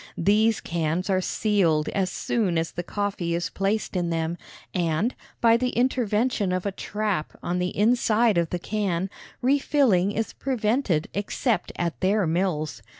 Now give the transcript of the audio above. These cans are sealed as soon as the coffee is placed in them, and, by the intervention of a trap on the inside of the can, refilling is prevented except at their mills.